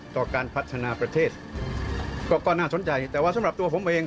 ต่อการพัฒนาประเทศก็น่าสนใจแต่ว่าสำหรับตัวผมเอง